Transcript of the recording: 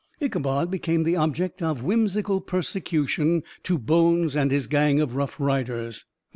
Ichabod became the object of whimsical persecution to Bones and his gang of rough riders.